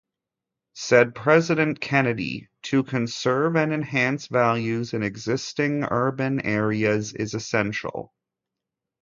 Said President Kennedy: To conserve and enhance values in existing urban areas is essential.